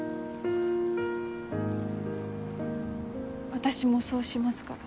私もそうしますから